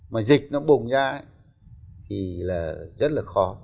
mà dịch nó bùng ra thì là rất là khó